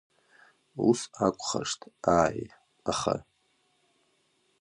Ус акәхашт, ааи, аха!